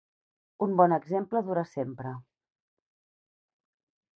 Un bon exemple dura sempre.